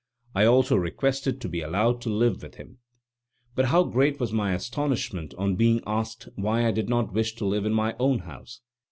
I also requested to be allowed to live with him. But how great was my astonishment on being asked why I did not wish to live in my own house.